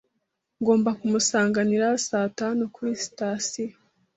Ngomba kumusanganira saa tanu kuri sitasiyo.